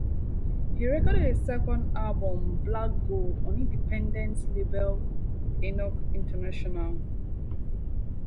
He recorded a second album, "Black Gold", on independent label Echo International.